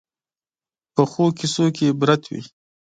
پخو کیسو کې عبرت وي